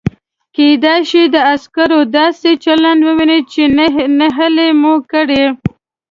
کېدای شي د عسکرو داسې چلند ووینئ چې نهیلي مو کړي.